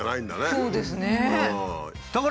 そうですね。